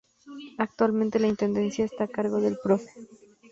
Actualmente la Intendencia está a cargo del Prof.